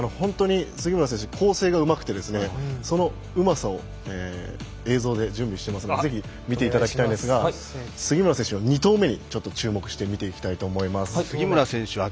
杉村選手、本当に構成がうまくてそのうまさを映像で準備していますのでぜひ見ていただきたいんですが杉村選手２投目に注目して見ていきたいと思います。